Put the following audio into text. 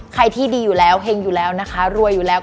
ที่ดีอยู่แล้วเห็งอยู่แล้วนะคะรวยอยู่แล้ว